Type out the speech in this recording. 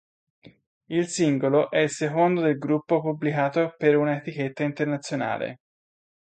Il singolo è il secondo del gruppo pubblicato per una etichetta internazionale.